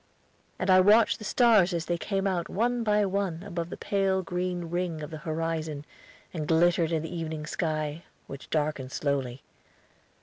I watched the stars as they came out one by one above the pale green ring of the horizon and glittered in the evening sky, which darkened slowly.